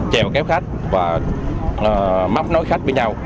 chèo kéo khách và mắp nối khách với nhau